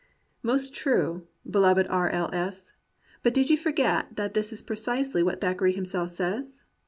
Most true, beloved R. L. S., but did you forget that this is precisely what Thackeray himself says